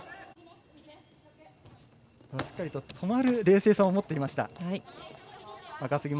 しっかりと止まる冷静さを持っていました。